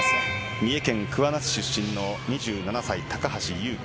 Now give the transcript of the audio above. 三重県桑名市出身の２７歳、高橋侑希。